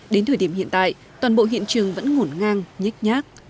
đến thời điểm hiện tại toàn bộ hiện trường vẫn ngổn ngang nhách nhác